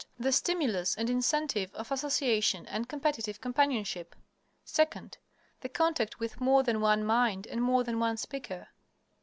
_ The stimulus and incentive of association and competitive companionship. Second. The contact with more than one mind and more than one speaker.